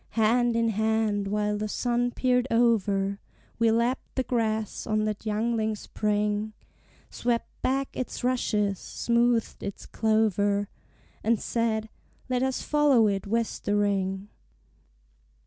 Hand in hand, while the sun peered over, We lapped the grass on that youngling spring, Swept back its rushes, smoothed its clover, And said, "Let us follow it westering."